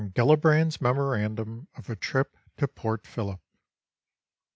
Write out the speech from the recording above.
56. GELLIBRAND'S MEMORANDUM OF A TRIP TO PORT PHILLIP.